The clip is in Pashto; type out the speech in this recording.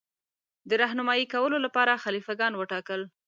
د رهنمايي کولو لپاره خلیفه ګان وټاکل.